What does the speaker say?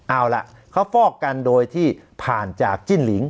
เอาล่ะเขาฟอกกันโดยที่ผ่านจากจิ้นหลิง